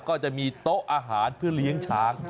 ก็จะมีโต๊ะอาหารเพื่อเลี้ยงช้าง